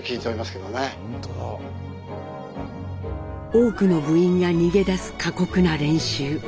多くの部員が逃げ出す過酷な練習。